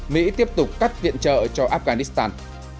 mỹ tiếp tục cắt viện trợ cho afghanistan